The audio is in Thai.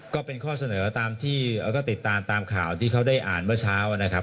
ก็เป็นข้อเสนอตามที่เราก็ติดตามตามข่าวที่เขาได้อ่านเมื่อเช้านะครับ